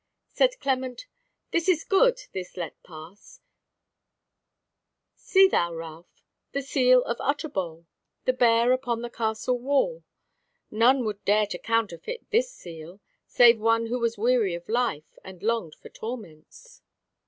Said Clement: "This is good, this let pass: see thou, Ralph, the seal of Utterbol, the Bear upon the Castle Wall. None would dare to counterfeit this seal, save one who was weary of life, and longed for torments."